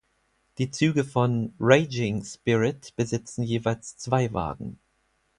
Die Züge von "Raging Spirit" besitzen jeweils zwei Wagen.